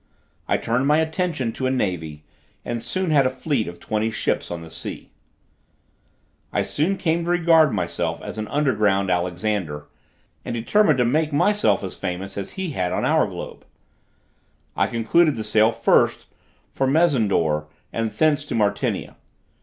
I turned my attention to a navy, and soon had a fleet of twenty ships on the sea. I soon came to regard myself an under ground Alexander; and determined to make myself as famous as he had on our globe. I concluded to sail first for Mezendore and thence to Martinia.